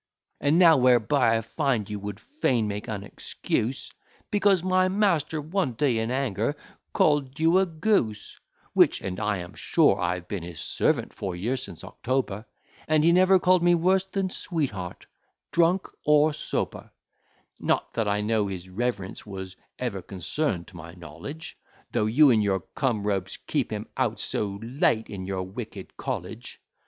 And now, whereby I find you would fain make an excuse, Because my master, one day, in anger, call'd you a goose: Which, and I am sure I have been his servant four years since October, And he never call'd me worse than sweet heart, drunk or sober: Not that I know his reverence was ever concern'd to my knowledge, Though you and your come rogues keep him out so late in your wicked college.